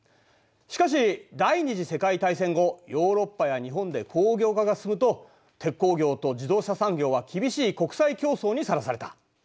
しかし第二次世界大戦後ヨーロッパや日本で工業化が進むと鉄鋼業と自動車産業は厳しい国際競争にさらされた。